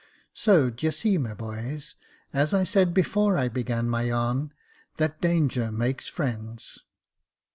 So, d'ye see, my boys, as I said before I began my yarn, that danger makes friends.